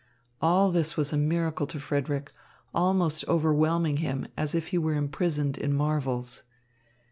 All this was a miracle to Frederick, almost overwhelming him, as if he were imprisoned in marvels.